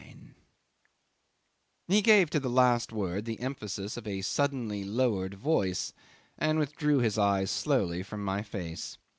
'" He gave to the last word the emphasis of a suddenly lowered voice, and withdrew his eyes slowly from my face.